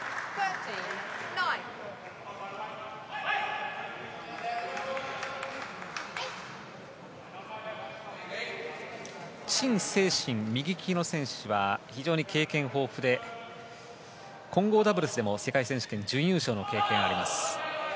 セイシン、右利きの選手は非常に経験豊富で混合ダブルスでも世界選手権準優勝の経験があります。